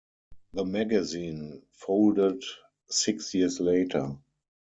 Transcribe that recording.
The magazine folded six years later.